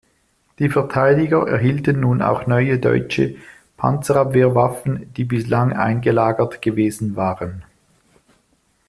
Die Verteidiger erhielten nun auch neue deutsche Panzerabwehrwaffen, die bislang eingelagert gewesen waren.